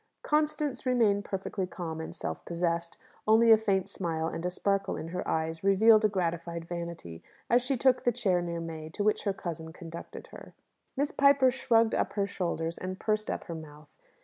Constance remained perfectly calm and self possessed; only a faint smile and a sparkle in her eyes revealed a gratified vanity as she took the chair near May, to which her cousin conducted her. Miss Piper shrugged up her shoulders and pursed up her mouth.